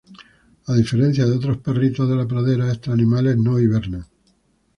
A diferencia de otros perritos de la pradera, estos animales no hibernan.